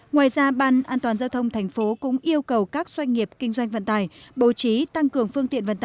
ngoài ra ban an toàn giao thông thành phố cũng yêu cầu các doanh nghiệp